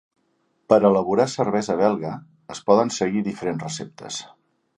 Per elaborar cervesa belga, es poden seguir diferents receptes.